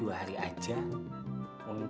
tuhan mereka benar benar